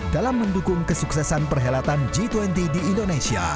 dalam mendukung kesuksesan perhelatan g dua puluh di indonesia